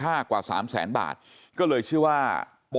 ทำให้สัมภาษณ์อะไรต่างนานไปออกรายการเยอะแยะไปหมด